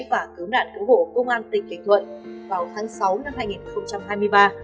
và cứu nạn ủng hộ công an tỉnh kỳ thuận vào tháng sáu năm hai nghìn hai mươi ba